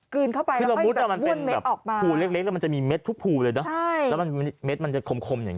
กลืนเข้าไปแล้วมันจะมีเม็ดทุกเลยนะมันจะคมอย่าง